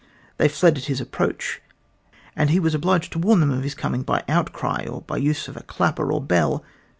They fled at his approach, and he was obliged to warn them of his coming by outcry, or by use of a clapper or bell.